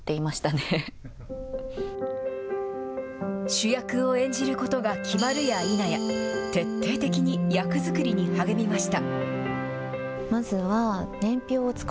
主役を演じることが決まるやいなや、徹底的に役作りに励みました。